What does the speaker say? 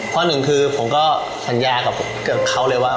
ข้อหนึ่งคือผมก็สัญญากับเขาเลยว่า